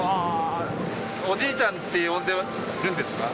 おじいちゃんって呼んでるんですか？